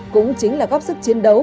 cũng chính là góp sức chiến đấu